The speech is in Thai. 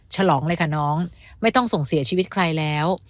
ฉลองเลยค่ะน้องไม่ต้องส่งเสียชีวิตใครแล้ว